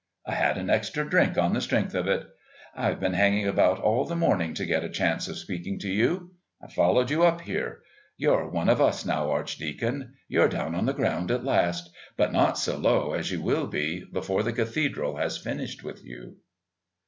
I had an extra drink on the strength of it. I've been hanging about all the morning to get a chance of speaking to you. I followed you up here. You're one of us now, Archdeacon. You're down on the ground at last, but not so low as you will be before the Cathedral has finished with you."